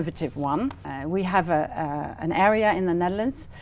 rất quan trọng